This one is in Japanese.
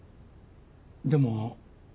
でも。